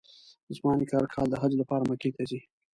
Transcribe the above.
زما نیکه هر کال د حج لپاره مکې ته ځي.